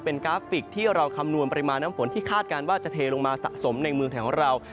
เป็นกราฟิกที่เราคำนวณปริมาณน้ำฝนที่คาดการณ์ว่าจะเทลงมาสะสมในเมืองไทยของเรา